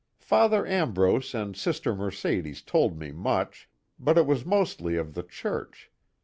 Father Ambrose and Sister Mercedes told me much but it was mostly of the church.